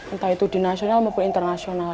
entah itu di nasional maupun internasional